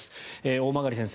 大曲先生